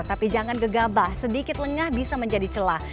tapi jangan gegabah sedikit lengah bisa menjadi celah